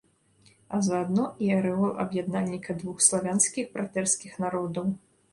А заадно і арэол аб'яднальніка двух славянскіх братэрскіх народаў.